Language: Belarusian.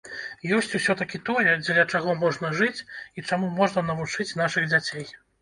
Ёсць усё-такі тое, дзеля чаго можна жыць і чаму можна навучыць нашых дзяцей.